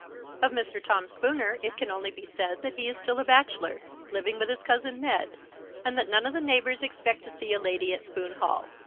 Of Mr. Tom Spooner it can only be said that he is still a bachelor, living with his cousin Ned, and that none of the neighbours expect to see a lady at Spoon Hall.